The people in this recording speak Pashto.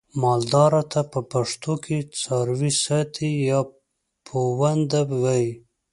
مالدار ته په پښتو کې څارويساتی یا پوونده وایي.